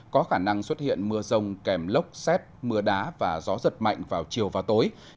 có khả năng xuất hiện mưa rông kèm lốc xét mưa đá và gió giật mạnh vào chiều và tối